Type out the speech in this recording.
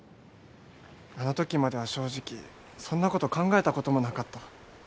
あのときまでは正直そんなこと考えたこともなかった。